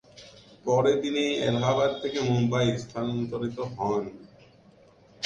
পরে তিনি এলাহাবাদ থেকে মুম্বাইয়ে স্থানান্তরিত হন।